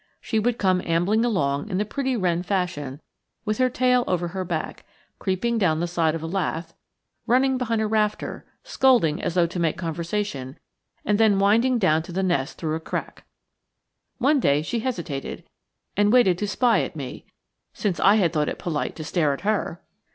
She would come ambling along in the pretty wren fashion, with her tail over her back; creeping down the side of a lath, running behind a rafter, scolding as though to make conversation, and then winding down to the nest through a crack. One day she hesitated, and waited to spy at me, since I had thought it polite to stare at her!